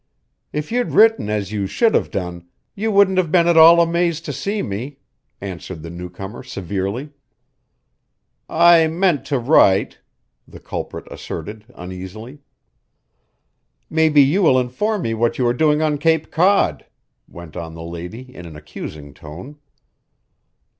"If you'd written as you should have done, you wouldn't have been at all amazed to see me," answered the newcomer severely. "I meant to write," the culprit asserted uneasily. "Maybe you will inform me what you are doing on Cape Cod," went on the lady in an accusing tone.